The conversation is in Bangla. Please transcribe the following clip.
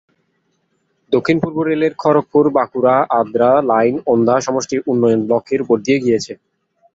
দক্ষিণ পূর্ব রেলের খড়গপুর-বাঁকুড়া-আদ্রা লাইন ওন্দা সমষ্টি উন্নয়ন ব্লকের উপর দিয়ে গিয়েছে।